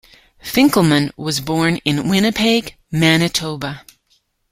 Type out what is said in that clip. Finkleman was born in Winnipeg, Manitoba.